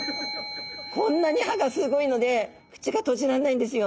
こんなに歯がすごいので口が閉じらんないんですよ。